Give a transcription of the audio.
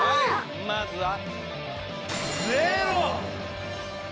まずは。